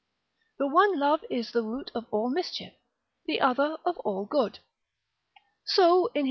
The one love is the root of all mischief, the other of all good. So, in his 15.